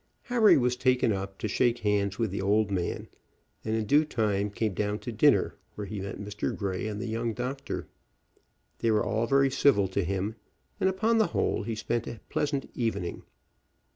Harry was taken up to shake hands with the old man, and in due time came down to dinner, where he met Mr. Grey and the young doctor. They were all very civil to him, and upon the whole, he spent a pleasant evening.